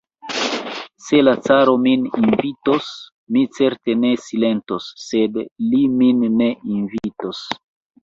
Se la caro min invitos, mi certe ne silentos, sed li min ne invitos.